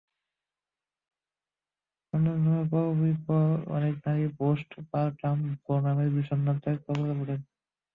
সন্তান জন্মের পরপর অনেক নারীই পোস্ট-পারটাম ব্লু নামের বিষণ্নতার কবলে পড়েন।